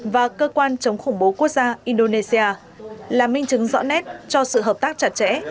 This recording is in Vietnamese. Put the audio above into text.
và cơ quan chống khủng bố quốc gia indonesia là minh chứng rõ nét cho sự hợp tác chặt chẽ